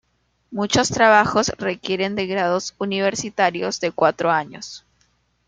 Muchos trabajos requieren de grados universitarios de cuatro años.